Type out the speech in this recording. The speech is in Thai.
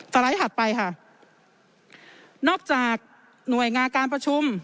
ไลด์ถัดไปค่ะนอกจากหน่วยงานการประชุม